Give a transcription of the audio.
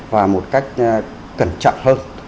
và một cách cẩn trọng hơn